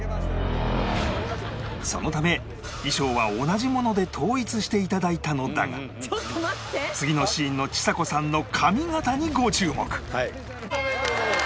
そのため衣装は同じもので統一して頂いたのだが次のシーンのちさ子さんの髪型にご注目